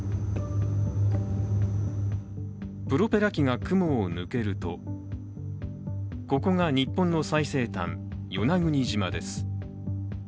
プロペラ機が雲を抜けると、ここが日本の最西端、与那国島です。